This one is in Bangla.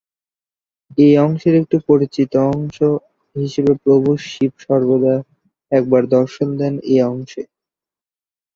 এই অংশের একটি পরিচিত অংশ হিসেবে প্রভু শিব সর্বদা একবার দর্শন দেন এই অংশে।